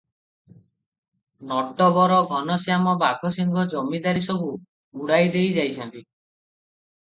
ନଟବର ଘନଶ୍ୟାମ ବାଘସିଂହ ଜମିଦାରୀସବୁ ଉଡ଼ାଇଦେଇ ଯାଇଛନ୍ତି ।